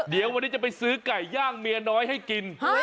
เดี๋ยววันนี้จะไปซื้อไก่ย่างเมียน้อยให้กิน